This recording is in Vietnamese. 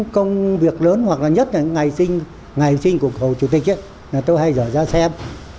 công việc lớn hoặc nhất là ngày sinh của hồ chủ tịch tôi hay rời ra xem